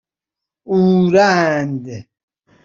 اورند